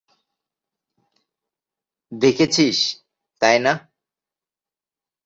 দেখেছিস, তাই না?